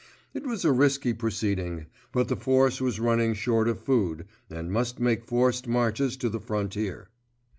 It was a risky proceeding; but the force was running short of food, and must make forced marches to the frontier.